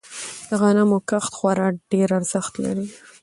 د غنمو کښت خورا ډیر ارزښت لری.